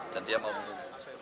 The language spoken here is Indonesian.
dan dia mau menunggu